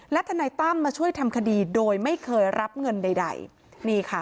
และทนายตั้มมาช่วยทำคดีโดยไม่เคยรับเงินใดใดนี่ค่ะ